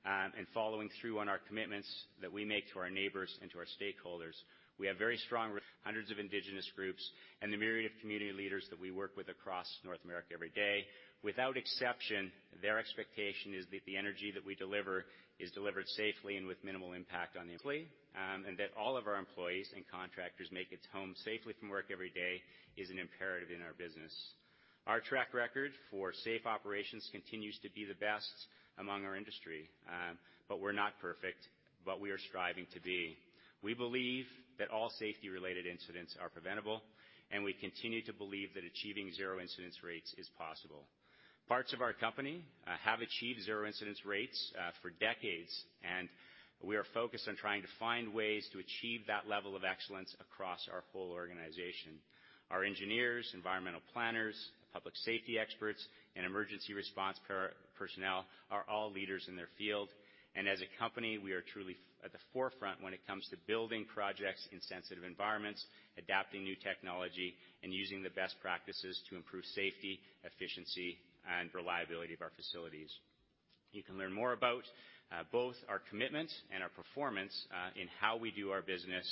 and following through on our commitments that we make to our neighbors and to our stakeholders. We have very strong Hundreds of indigenous groups and the myriad of community leaders that we work with across North America every day. Without exception, their expectation is that the energy that we deliver is delivered safely and with minimal impact on the. That all of our employees and contractors make it home safely from work every day is an imperative in our business. Our track record for safe operations continues to be the best among our industry, but we're not perfect, but we are striving to be. We believe that all safety-related incidents are preventable, and we continue to believe that achieving zero incidence rates is possible. Parts of our company have achieved zero incidence rates for decades, and we are focused on trying to find ways to achieve that level of excellence across our whole organization. Our engineers, environmental planners, public safety experts, and emergency response personnel are all leaders in their field. As a company, we are truly at the forefront when it comes to building projects in sensitive environments, adapting new technology, and using the best practices to improve safety, efficiency, and reliability of our facilities. You can learn more about both our commitment and our performance in how we do our business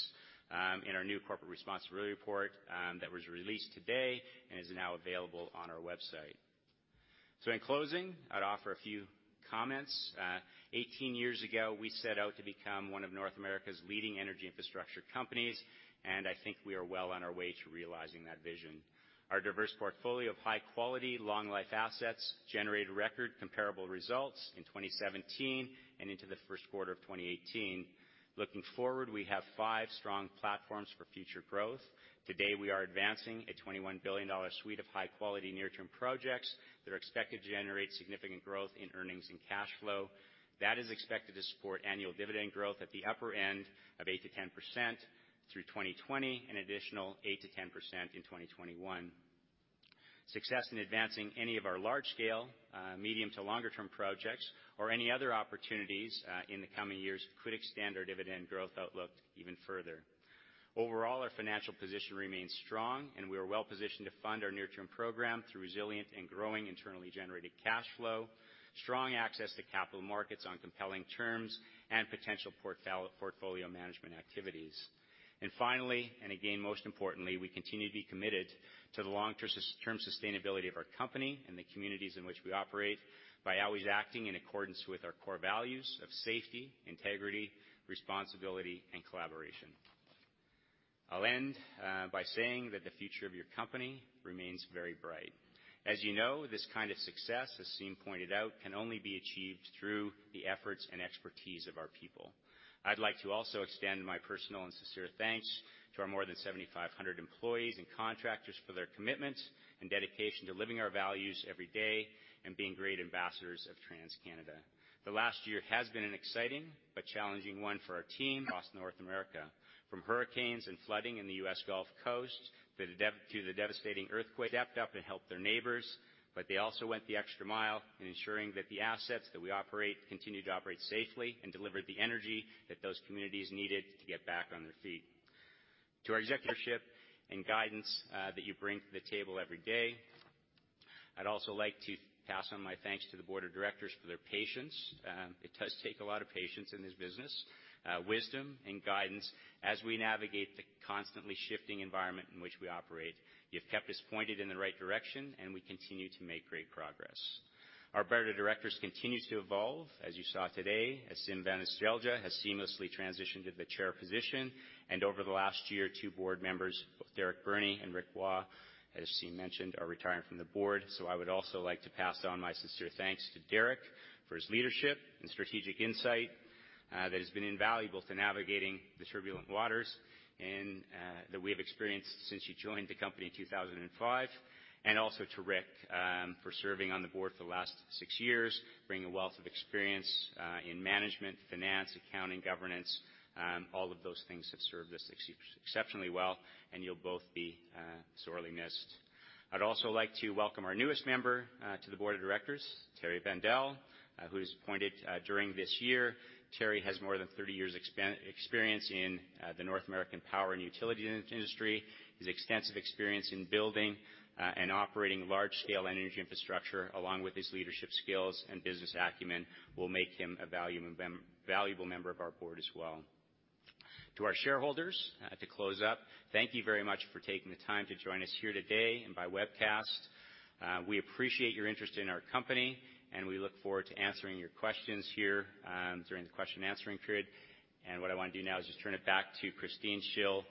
in our new corporate responsibility report that was released today and is now available on our website. In closing, I'd offer a few comments. 18 years ago, we set out to become one of North America's leading energy infrastructure companies, and I think we are well on our way to realizing that vision. Our diverse portfolio of high-quality, long-life assets generated record comparable results in 2017 and into the first quarter of 2018. Looking forward, we have five strong platforms for future growth. Today, we are advancing a 21 billion dollar suite of high-quality near-term projects that are expected to generate significant growth in earnings and cash flow. That is expected to support annual dividend growth at the upper end of 8%-10% through 2020, an additional 8%-10% in 2021. Success in advancing any of our large-scale, medium to longer term projects or any other opportunities in the coming years could extend our dividend growth outlook even further. Overall, our financial position remains strong, and we are well-positioned to fund our near-term program through resilient and growing internally generated cash flow, strong access to capital markets on compelling terms, and potential portfolio management activities. Finally, and again, most importantly, we continue to be committed to the long-term sustainability of our company and the communities in which we operate by always acting in accordance with our core values of safety, integrity, responsibility, and collaboration. I'll end by saying that the future of your company remains very bright. As you know, this kind of success, as Siim pointed out, can only be achieved through the efforts and expertise of our people. I'd like to also extend my personal and sincere thanks to our more than 7,500 employees and contractors for their commitment and dedication to living our values every day and being great ambassadors of TransCanada. The last year has been an exciting but challenging one for our team across North America. From hurricanes and flooding in the U.S. Gulf Coast, to the devastating earthquake, our team stepped up and helped their neighbors, but they also went the extra mile in ensuring that the assets that we operate, continue to operate safely and deliver the energy that those communities needed to get back on their feet. To our executive leadership and guidance that you bring to the table every day, I'd also like to pass on my thanks to the board of directors for their patience. It does take a lot of patience in this business, wisdom, and guidance as we navigate the constantly shifting environment in which we operate. You've kept us pointed in the right direction, and we continue to make great progress. Our board of directors continues to evolve, as you saw today, as Siim Vanaselja has seamlessly transitioned to the chair position, and over the last year, two board members, both Derek Burney and Rick Waugh, as Siim mentioned, are retiring from the board. I would also like to pass on my sincere thanks to Derek for his leadership and strategic insight that has been invaluable to navigating the turbulent waters that we have experienced since you joined the company in 2005, and also to Rick, for serving on the board for the last six years, bringing a wealth of experience in management, finance, accounting, governance. All of those things have served us exceptionally well, and you'll both be sorely missed. I'd also like to welcome our newest member to the board of directors, Thierry Vandal, who was appointed during this year. Thierry has more than 30 years' experience in the North American power and utility industry. His extensive experience in building and operating large-scale energy infrastructure, along with his leadership skills and business acumen, will make him a valuable member of our board as well. To our shareholders, to close up, thank you very much for taking the time to join us here today and by webcast. We appreciate your interest in our company, and we look forward to answering your questions here during the question and answering period. What I want to do now is just turn it back to Christine. She'll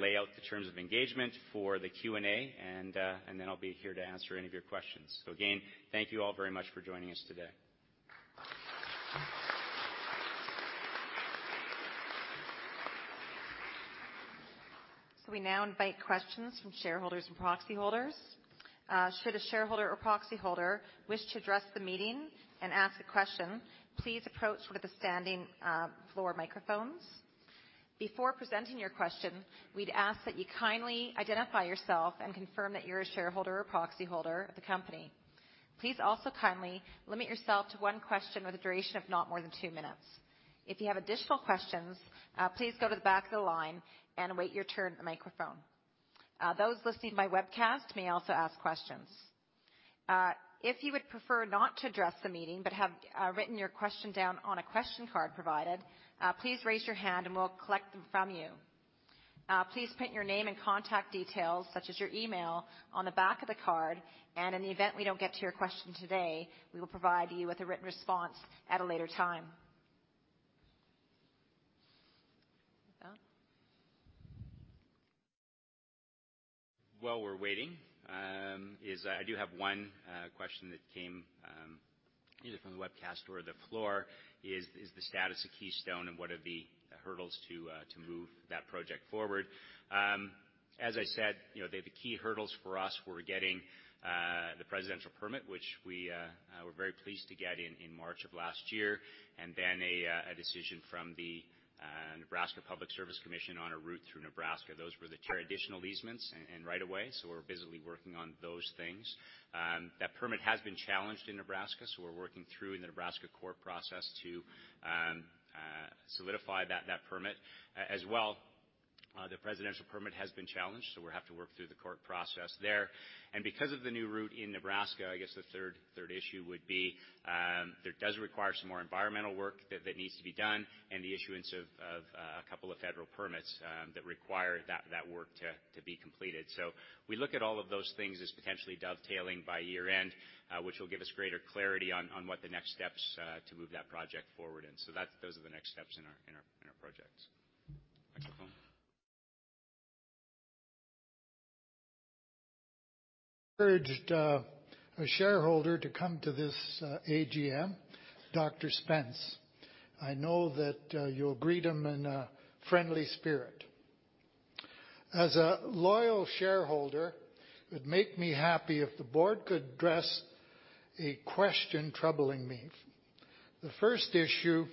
lay out the terms of engagement for the Q&A, and then I'll be here to answer any of your questions. Again, thank you all very much for joining us today. We now invite questions from shareholders and proxy holders. Should a shareholder or proxy holder wish to address the meeting and ask a question, please approach one of the standing floor microphones. Before presenting your question, we'd ask that you kindly identify yourself and confirm that you're a shareholder or proxy holder of the company. Please also kindly limit yourself to one question with a duration of not more than two minutes. If you have additional questions, please go to the back of the line and await your turn at the microphone. Those listening by webcast may also ask questions. If you would prefer not to address the meeting but have written your question down on a question card provided, please raise your hand, and we'll collect them from you. Please print your name and contact details, such as your email, on the back of the card, and in the event we don't get to your question today, we will provide you with a written response at a later time. While we're waiting, I do have one question that came either from the webcast or the floor is the status of Keystone and what are the hurdles to move that project forward? As I said, the key hurdles for us were getting the Presidential Permit, which we were very pleased to get in March of last year, and then a decision from the Nebraska Public Service Commission on a route through Nebraska. Those were the two additional easements and right-of-way, so we're busily working on those things. That permit has been challenged in Nebraska, so we're working through in the Nebraska court process to solidify that permit. As well, the Presidential Permit has been challenged, so we have to work through the court process there. Because of the new route in Nebraska, I guess the third issue would be there does require some more environmental work that needs to be done and the issuance of a couple of federal permits that require that work to be completed. We look at all of those things as potentially dovetailing by year-end, which will give us greater clarity on what the next steps to move that project forward in. Those are the next steps in our projects. Microphone. Encouraged a shareholder to come to this AGM, Dr. Spence. I know that you'll greet him in a friendly spirit. As a loyal shareholder, it would make me happy if the board could address a question troubling me. The first issue,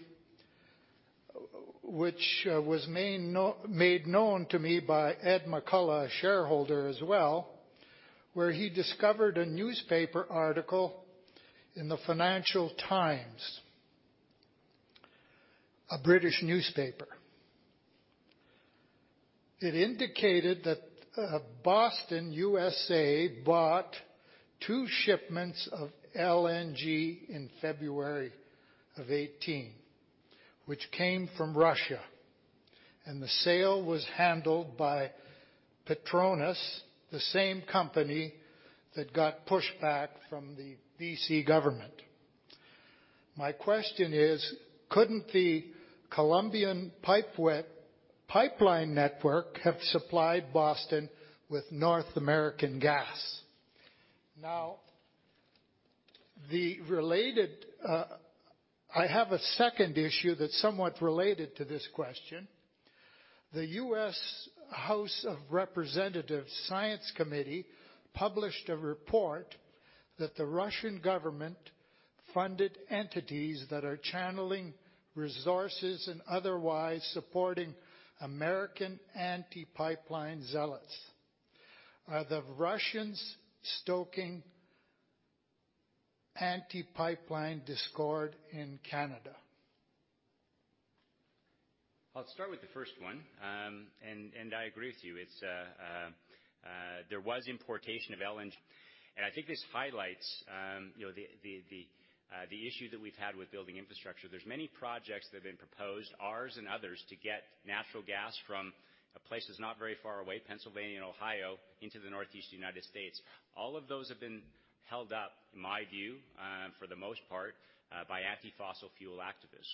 which was made known to me by Ed McCullough, a shareholder as well, where he discovered a newspaper article in the Financial Times, a British newspaper. It indicated that Boston, U.S., bought two shipments of LNG in February of 2018, which came from Russia, and the sale was handled by Petronas, the same company that got pushed back from the B.C. government. My question is, couldn't the Columbia Pipeline Network have supplied Boston with North American gas? I have a second issue that's somewhat related to this question. The U.S. House of Representatives Science Committee published a report that the Russian government funded entities that are channeling resources and otherwise supporting American anti-pipeline zealots. Are the Russians stoking anti-pipeline discord in Canada? I'll start with the first one. I agree with you. There was importation of LNG, and I think this highlights the issue that we've had with building infrastructure. There's many projects that have been proposed, ours and others, to get natural gas from places not very far away, Pennsylvania and Ohio, into the Northeast United States. All of those have been held up, in my view, for the most part, by anti-fossil fuel activists.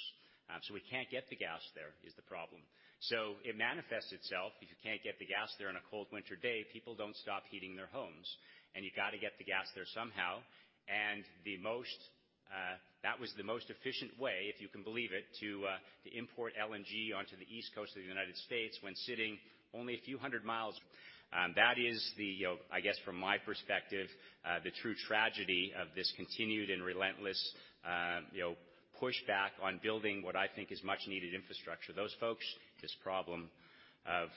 We can't get the gas there is the problem. It manifests itself, if you can't get the gas there on a cold winter day, people don't stop heating their homes, and you got to get the gas there somehow. That was the most efficient way, if you can believe it, to import LNG onto the East Coast of the United States when sitting only a few hundred miles. That is, I guess from my perspective, the true tragedy of this continued and relentless pushback on building what I think is much needed infrastructure. This problem of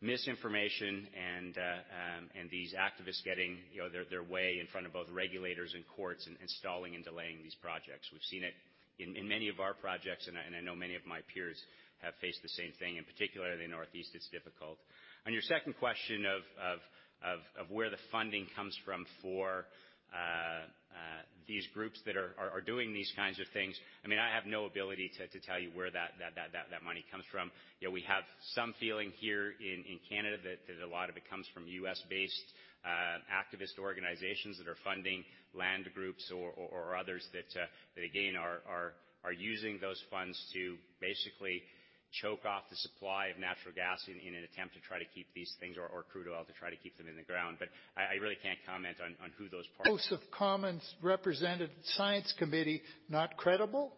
misinformation and these activists getting their way in front of both regulators and courts and stalling and delaying these projects. We've seen it in many of our projects, and I know many of my peers have faced the same thing. In particular, the Northeast, it's difficult. On your second question of where the funding comes from for these groups that are doing these kinds of things, I have no ability to tell you where that money comes from. We have some feeling here in Canada that a lot of it comes from U.S.-based activist organizations that are funding land groups or others that, again, are using those funds to basically choke off the supply of natural gas in an attempt to try to keep these things or crude oil, to try to keep them in the ground. I really can't comment on who those parties- House of Commons represented Science Committee not credible?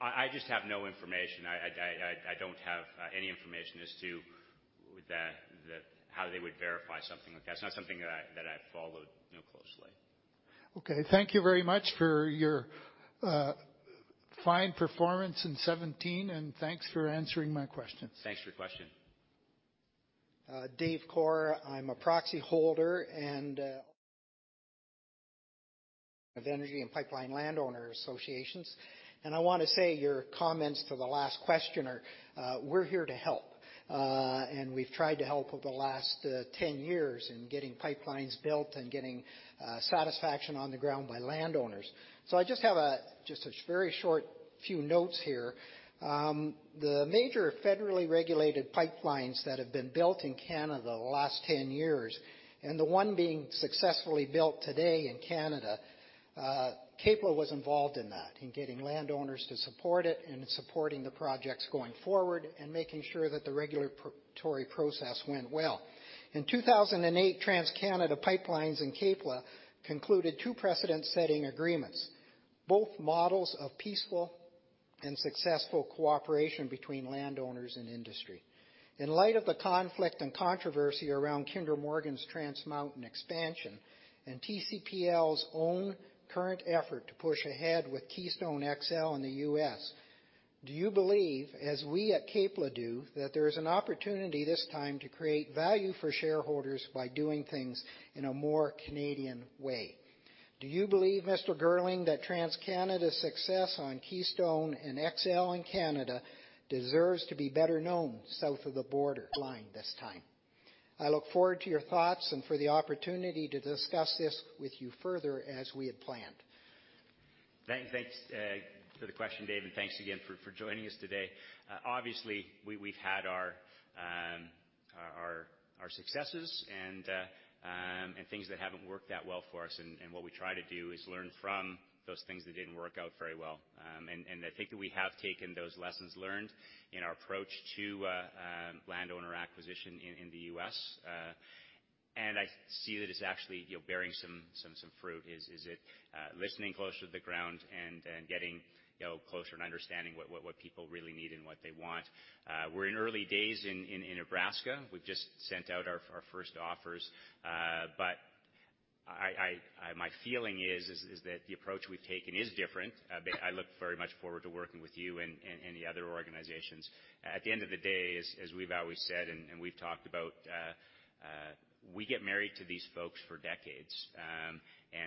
I just have no information. I don't have any information as to how they would verify something like that. It's not something that I've followed closely. Okay. Thank you very much for your fine performance in 2017, thanks for answering my questions. Thanks for your question. Dave Core. I'm a proxy holder and of Energy and Pipeline Landowner Associations, I want to say your comments to the last questioner, we're here to help. We've tried to help over the last 10 years in getting pipelines built and getting satisfaction on the ground by landowners. I just have just a very short few notes here. The major federally regulated pipelines that have been built in Canada the last 10 years, and the one being successfully built today in Canada, CAPLA was involved in that, in getting landowners to support it, and in supporting the projects going forward, and making sure that the regulatory process went well. In 2008, TransCanada PipeLines and CAPLA concluded two precedent-setting agreements, both models of peaceful and successful cooperation between landowners and industry. In light of the conflict and controversy around Kinder Morgan's Trans Mountain expansion, TCPL's own current effort to push ahead with Keystone XL in the U.S., do you believe, as we at CAPLA do, that there is an opportunity this time to create value for shareholders by doing things in a more Canadian way? Do you believe, Mr. Girling, that TransCanada's success on Keystone and XL in Canada deserves to be better known south of the border line this time? I look forward to your thoughts and for the opportunity to discuss this with you further as we had planned. Thanks for the question, Dave, and thanks again for joining us today. Obviously, we've had our successes and things that haven't worked that well for us, what we try to do is learn from those things that didn't work out very well. I think that we have taken those lessons learned in our approach to landowner acquisition in the U.S. I see that it's actually bearing some fruit, is it listening close to the ground and getting closer and understanding what people really need and what they want. We're in early days in Nebraska. We've just sent out our first offers. My feeling is that the approach we've taken is different. I look very much forward to working with you and the other organizations. At the end of the day, as we've always said and we've talked about, we get married to these folks for decades.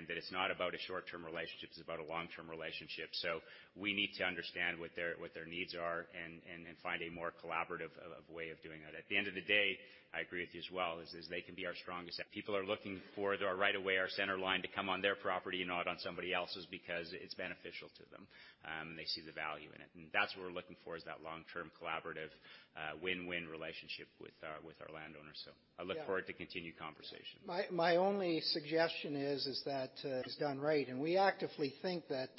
That it's not about a short-term relationship, it's about a long-term relationship. We need to understand what their needs are and find a more collaborative way of doing that. At the end of the day, I agree with you as well, is they can be our strongest. People are looking for right away our center line to come on their property and not on somebody else's because it's beneficial to them. They see the value in it. That's what we're looking for, is that long-term collaborative, win-win relationship with our landowners. I look forward to continued conversation. My only suggestion is that it's done right, we actively think that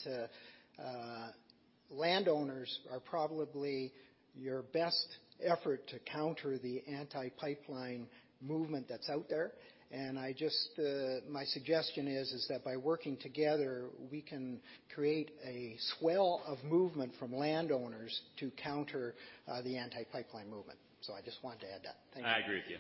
Landowners are probably your best effort to counter the anti-pipeline movement that's out there. My suggestion is that by working together, we can create a swell of movement from landowners to counter the anti-pipeline movement. I just wanted to add that. Thank you. I agree with you.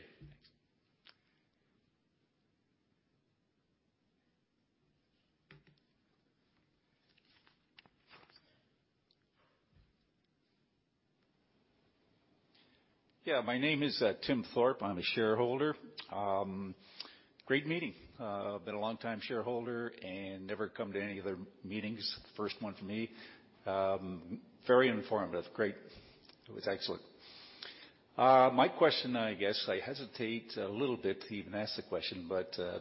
Yeah. My name is Tim Thorpe. I'm a shareholder. Great meeting. Been a long time shareholder and never come to any of the meetings. First one for me. Very informative. Great. It was excellent. My question, I guess I hesitate a little bit to even ask the question,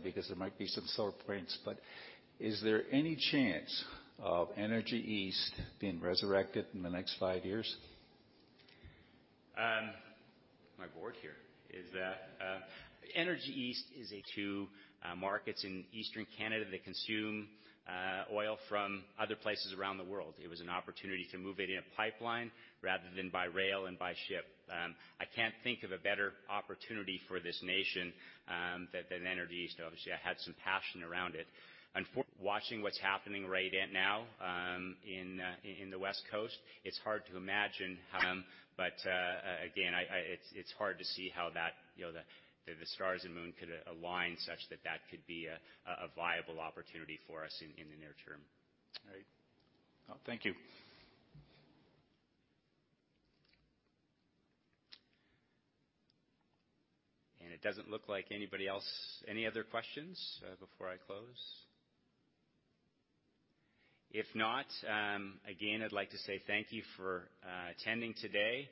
because there might be some sore points, but is there any chance of Energy East being resurrected in the next five years? My point here is that, Energy East is two markets in Eastern Canada that consume oil from other places around the world. It was an opportunity to move it in a pipeline rather than by rail and by ship. I can't think of a better opportunity for this nation than Energy East. Obviously, I had some passion around it. Watching what's happening right now in the West Coast, it's hard to imagine. Again, it's hard to see how the stars and moon could align such that that could be a viable opportunity for us in the near term. All right. Thank you. It doesn't look like anybody else. Any other questions before I close? If not, again, I'd like to say thank you for attending today.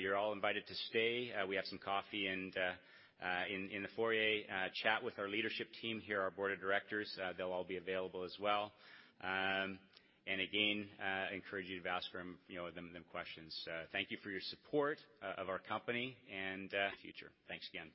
You're all invited to stay. We have some coffee in the foyer. Chat with our leadership team here, our board of directors. They'll all be available as well. Again, I encourage you to ask them questions. Thank you for your support of our company and future. Thanks again.